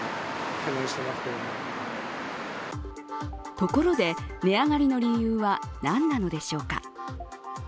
ところで、値上がりの理由は何なんでしょうか。